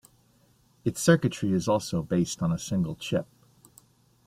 Its circuitry is also based on a single chip.